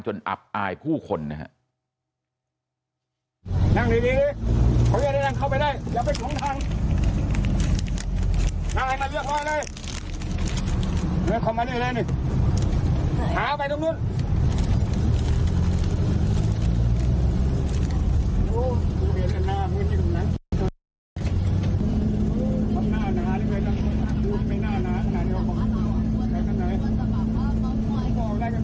อับอายผู้คนนะครับ